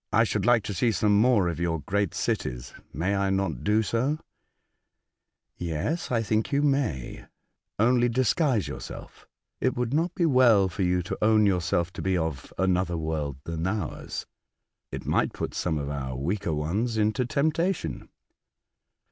"I should like much to see some of your great cities. May I not do so ?"*^ Yes, I think you may — only disguise your self. It would not be well for you to own yourself to be of another world than ours. It might put some of our weaker ones into temp tation.